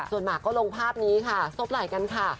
ส่วนหมากก็ลงภาพนี้ค่ะซบไหล่กันค่ะ